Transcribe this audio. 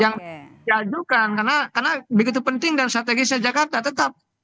yang diajukan karena begitu penting dan strategisnya jakarta tetap